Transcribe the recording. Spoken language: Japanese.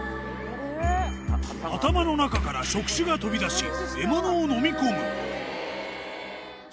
頭の中から触手が飛び出し、獲物を飲み込む。